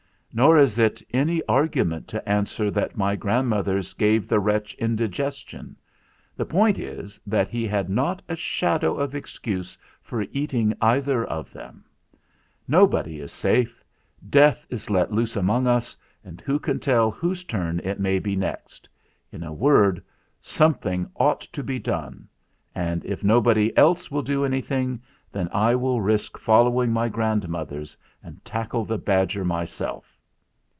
Nor is it any argument to answer that my grandmothers gave the wretch indigestion. The point is that he had not a shadow of ex cuse for eating either of them. Nobody is safe ; death is let loose among us, and who can tell whose turn it may be next? In a word, something ought to be done ; and if nobody else "SEND FOR CHARLES!" 289 will do anything, then I will risk following my grandmothers and tackle the badger my self!"